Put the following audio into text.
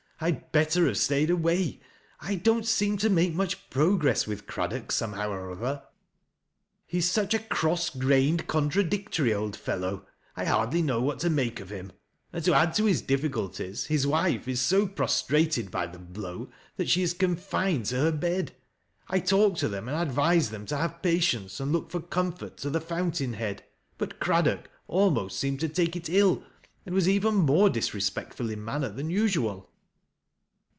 I had better have stayed away. I don't seem to make much progress with Craddock, somehow or other. He is surh a cross grained, contradictory old fellow, I hardly know U6 THAT LASS O LOWRISPb. what to make of him. And to add to his difficnlties, hu wife is so prostrated by the blow ths.t she is cocfined to her bed. I talked to them and advised them to have patience, and look for comfort to the Fountain head; hut Craddock almost seemed to take it ill, and was even more disrespectful in manner than usual."